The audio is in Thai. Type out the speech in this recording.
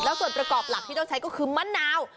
ส่วนประกอบหลักที่ต้องใช้ก็คือมะนาว